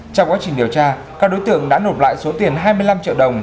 trong quá trình điều tra các đối tượng đã nộp lại số tiền hai mươi năm triệu đồng